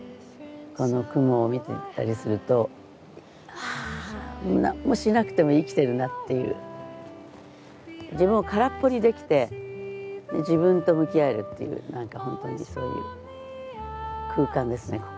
この雲を見てたりするとはぁなんもしなくても生きてるなっていう自分を空っぽにできて自分と向き合えるっていうなんかホントにそういう空間ですね